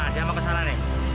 dia mau kesana nih